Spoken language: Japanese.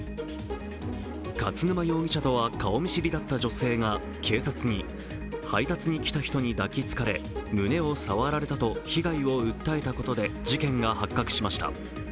勝沼容疑者とは顔見知りだった女性が警察に配達に来た人に抱きつかれ胸を触られたと被害を訴えたことで事件が発覚しました。